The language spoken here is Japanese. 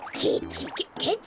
ケチ。